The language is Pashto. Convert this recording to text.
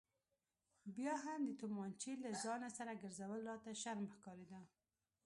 بیا هم د تومانچې له ځانه سره ګرځول راته شرم ښکارېده.